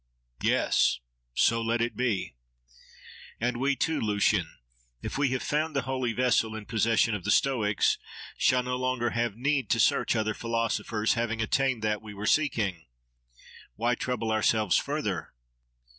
—Yes! So let it be. —And we too, Lucian! if we have found the holy vessel in possession of the Stoics, shall no longer have need to search other philosophers, having attained that we were seeking. Why trouble ourselves further?